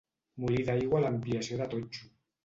Molí d'aigua a l'ampliació de totxo.